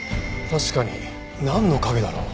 確かになんの影だろう？